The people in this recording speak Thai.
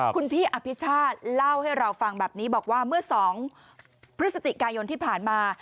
คุณพี่อภิชาติเล่าให้เราฟังแบบนี้บอกว่าเมื่อ๒พฤศจิกายนที่ผ่านมา